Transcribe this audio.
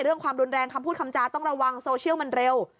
ความรุนแรงคำพูดคำจาต้องระวังโซเชียลมันเร็ว